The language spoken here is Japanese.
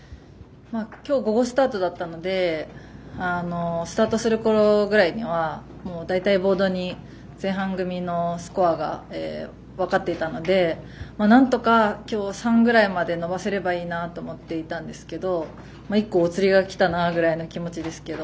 今日午後スタートだったのでスタートするころぐらいには大体ボードに前半組のスコアがあって分かっていたのでなんとか今日３ぐらいまで伸ばせればいいなと思っていたんですけど１個、おつりがきたなという気持ちですけど。